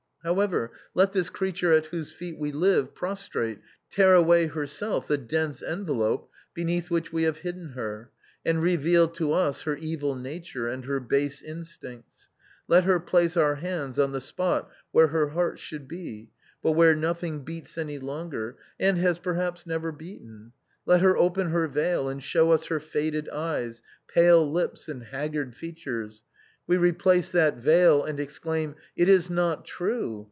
However, let this creature at whose feet we live prostrate, tear away herself the dense envelope beneath which we have hidden her, and reveal to us her evil nature and her base instincts ; let her place our hands on the spot where her heart should be, but where nothing beats any longer, and has perhaps never beaten ; let her open her veil, and show us her faded eyes, pale lips and haggard features; we replace that veil, and exclaim, ' It is not true!